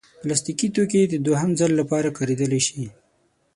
پلاستيکي توکي د دوهم ځل لپاره کارېدلی شي.